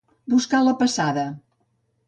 Buscar la passada.